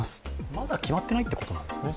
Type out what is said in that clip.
まだ決まっていないということなんですね。